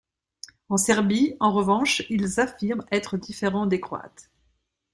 En Serbie en revanche, ils affirment être différents des Croates.